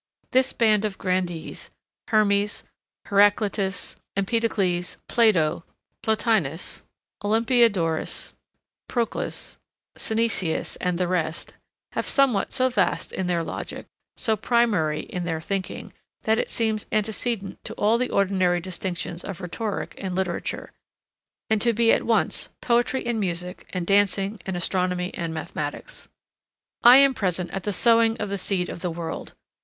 This band of grandees, Hermes, Heraclitus, Empedocles, Plato, Plotinus, Olympiodorus, Proclus, Synesius and the rest, have somewhat so vast in their logic, so primary in their thinking, that it seems antecedent to all the ordinary distinctions of rhetoric and literature, and to be at once poetry and music and dancing and astronomy and mathematics. I am present at the sowing of the seed of the world.